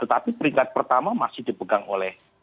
tetapi peringkat pertama masih dipegang oleh